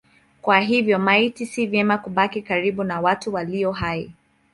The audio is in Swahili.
Kwa hiyo maiti si vema kubaki karibu na watu walio hai.